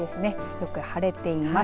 よく晴れています。